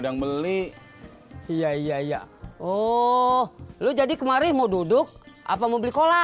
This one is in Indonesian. yang beli iya iya oh lu jadi kemari mau duduk apa mau beli kolak